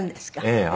ええ。